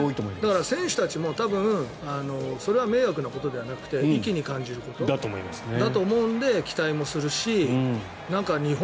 だから選手たちもそれは迷惑なことではなくて意気に感じることだと思うので期待もするし日本